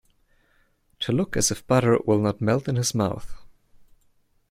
To look as if butter will not melt in his mouth.